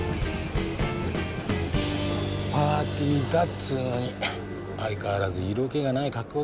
パーティーだっつうのに相変わらず色気がない格好だよね。